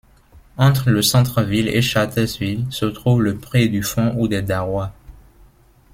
Entre le Centre-Ville et Chartersville se trouve le pré du Fond ou des Darois.